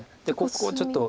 ここをちょっと。